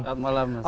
selamat malam mas